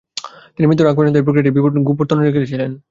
তিনি মৃত্যুর আগ পর্যন্ত এই প্রক্রিয়াটির বিবরণ গোপন রেখেছিলেন।